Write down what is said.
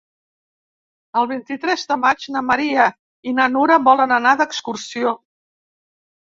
El vint-i-tres de maig na Maria i na Nara volen anar d'excursió.